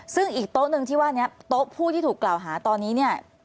ซึ่งอีกโต๊ะหนึ่งที่ว่านี้โต๊ะผู้ที่ถูกกล่าวหาตอนนี้เนี่ย